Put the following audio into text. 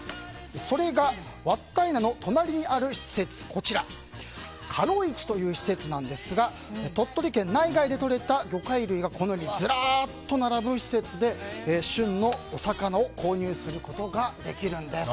それがわったいなの隣にある施設かろいちという施設なんですが鳥取県内外でとれた魚介類がこのようにずらーっと並ぶ施設で旬のお魚を購入することができるんです。